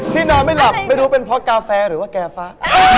นอนไม่หลับไม่รู้เป็นเพราะกาแฟหรือว่าแก่ฟ้า